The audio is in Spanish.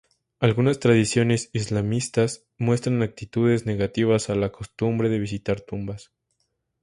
Algunas tradiciones islamistas muestran actitudes negativas a la costumbre de visitar tumbas.